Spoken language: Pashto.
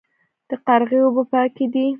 د قرغې اوبه پاکې دي